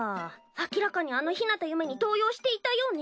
明らかにあの日向ゆめに動揺していたようね。